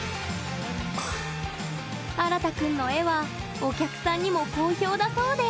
あらたくんの絵はお客さんにも好評だそうで。